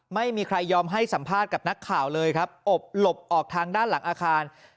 ไม่ยอมให้สัมภาษณ์กับนักข่าวเลยครับอบหลบออกทางด้านหลังอาคาร